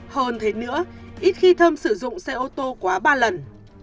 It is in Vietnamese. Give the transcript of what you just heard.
hơn thế nữa ít khi thơm sử dụng xe ô tô quá ba lần